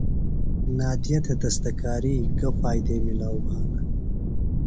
نادیہ تھےۡ دستکاری گہ فائدے ملاؤ بھانہ؟